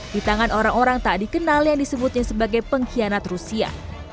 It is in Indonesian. di tangan orang orang tak dikenal yang disebutnya sebagai pengkhianat rusia